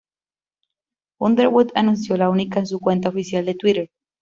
Underwood anunció la única en su cuenta oficial de Twitter.